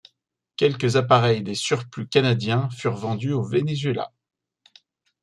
Quelques appareils des surplus canadiens furent vendus au Venezuela.